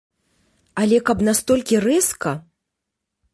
Але каб настолькі рэзка?